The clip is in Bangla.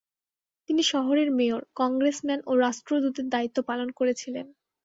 তিনি শহরের মেয়র, কংগ্রেসম্যান ও রাষ্ট্রদূতের দ্বায়িত্ব পালন করেছিলেন।